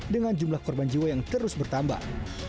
dengan jumlah korban jiwa yang terus bertambah